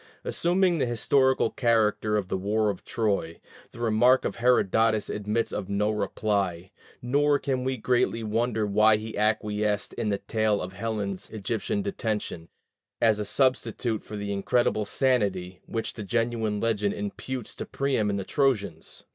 Assuming the historical character of the war of Troy, the remark of Herodotus admits of no reply; nor can we greatly wonder that he acquiesced in the tale of Helen's Egyptian detention, as a substitute for the "incredible insanity" which the genuine legend imputes to Priam and the Trojans.